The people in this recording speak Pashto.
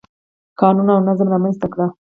قانون او نظم رامنځته کړ.